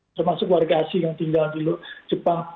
termasuk warga asing yang tinggal di jepang